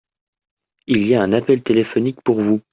Il y a un appel téléphonique pour vous.